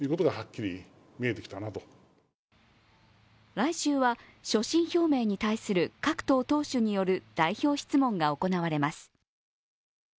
来週は所信表明に対する各党党首による代表質問が行われます。